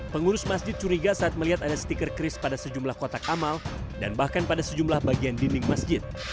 pengurus masjid curiga saat melihat ada stiker kris pada sejumlah kotak amal dan bahkan pada sejumlah bagian dinding masjid